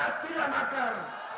imam suhaid tidak makar